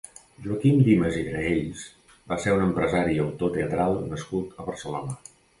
Joaquim Dimas i Graells va ser un empresari i autor teatral nascut a Barcelona.